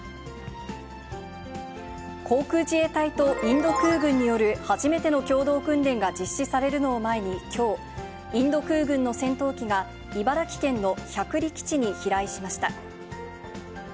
航空自衛隊とインド空軍による初めての共同訓練が実施されるのを前に、きょう、インド空軍の戦闘機が、茨城県の百里基地に飛来しました。